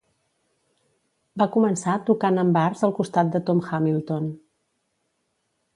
Va començar tocant en bars al costat de Tom Hamilton.